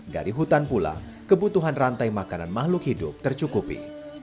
dari hutan pula kebutuhan rantai makanan makhluk hidup tercukupi